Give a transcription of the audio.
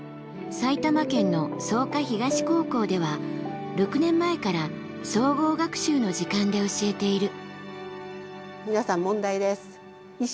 埼玉県の草加東高校では６年前から総合学習の時間で教えている。